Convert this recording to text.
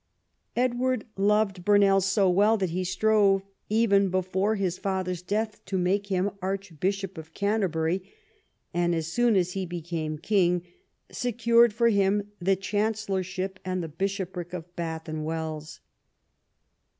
Edward loved Burnell so well that he strove, even before his father's death, to make him Archbishop of Canterbury, and as soon as he became king secured for him the chancellorship and the bishopric of Bath and Wells.